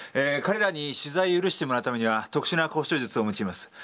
彼らに取材を許してもらうためには特殊な交渉術を用います。